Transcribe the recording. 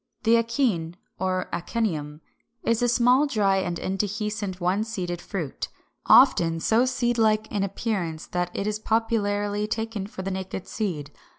] 359. =The Akene or Achenium= is a small, dry and indehiscent one seeded fruit, often so seed like in appearance that it is popularly taken for a naked seed.